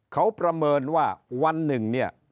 เขาประเมินว่าวันหนึ่งเนี่ย